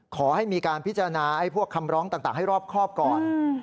ขอให้มีการพิจารณาพวกคำร้องต่างให้รอบครอบก่อน